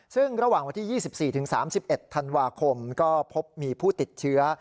ซึ่งระหว่างวันที่๒๔๓๑ธันวาคมก็พบมีผู้ติดเชื้อ